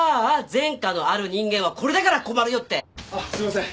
前科のある人間はこれだから困るよってあっすいません